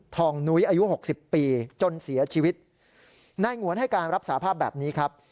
งนุ้ยอายุหกสิบปีจนเสียชีวิตนายงวนให้การรับสาภาพแบบนี้ครับ